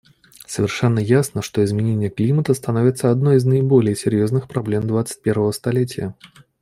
Совершенно ясно, что изменение климата становится одной из наиболее серьезных проблем двадцать первого столетия.